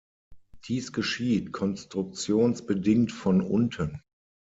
Dies geschieht konstruktionsbedingt von unten.